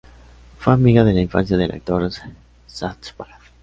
Fue amiga de la infancia del actor Zach Braff.